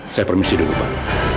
saya permisi dulu pak